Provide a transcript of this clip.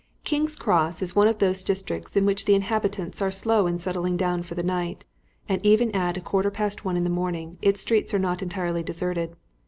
King's Cross is one of those districts of which the inhabitants are slow in settling down for the night, and even at a quarter past one in the morning its streets are not entirely deserted.